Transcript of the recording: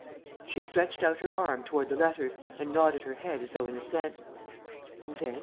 She stretched out her arm toward the letters and nodded her head as though in assent. "And then?"